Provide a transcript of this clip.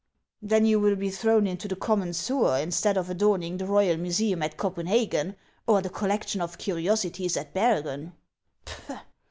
" Then you will be thrown into the common sewer, instead of adorning the Royal Museum at Copenhagen or the collection of curiosities at Bergen."